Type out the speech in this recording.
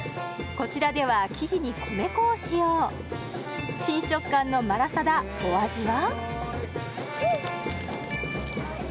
こちらでは生地に米粉を使用新食感のマラサダお味は？